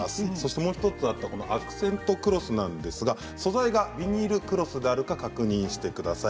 もう１つ、アクセントクロスなんですが、素材がビニールクロスであるか、確認してください。